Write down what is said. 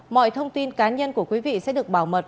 mọi thông tin cá nhân của quý vị sẽ được bảo mật